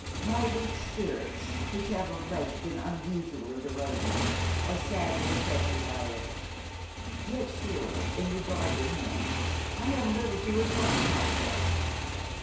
My weak spirits, which have of late been unusually deranged, are sadly affected by it. Yet surely in regard to him I have little to reproach myself.